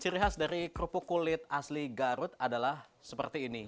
ciri khas dari kerupuk kulit asli garut adalah seperti ini